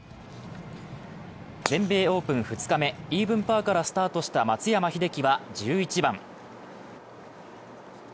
全米オープン２日目、イーブンパーからスタートした松山英樹は１１番。